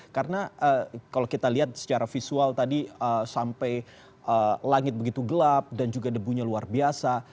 karena kalau kita lihat secara visual tadi sampai langit begitu gelap dan juga debunya luar biasa